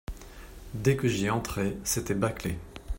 Dès que j’y entrais, c’était bâclé…